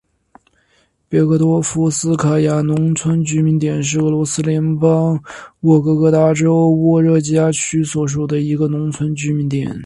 别克托夫斯卡亚农村居民点是俄罗斯联邦沃洛格达州沃热加区所属的一个农村居民点。